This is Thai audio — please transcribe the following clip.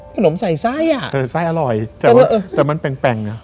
ใส่ไส้อ่ะเออไส้อร่อยแต่ว่าเออแต่มันแปลงอ่ะ